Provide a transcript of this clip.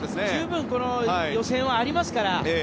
十分、この予選ではありますから。